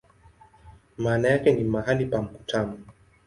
Maana yake ni "mahali pa mkutano".